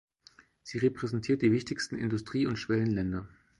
Sie repräsentiert die wichtigsten Industrie- und Schwellenländer.